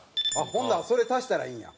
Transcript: ほんならそれ足したらいいんや。